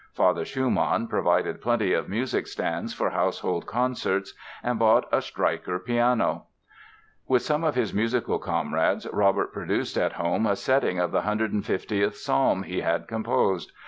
Father Schumann provided plenty of music stands for household concerts and bought a Streicher piano. With some of his musical comrades Robert produced at home a setting of the 150th Psalm he had composed.